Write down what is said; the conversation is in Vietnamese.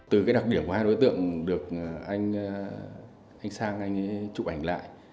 từ đặc điểm của hai đối tượng được anh sang chụp ảnh lại